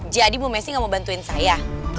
jadi ibu messi gak mau bantuin saya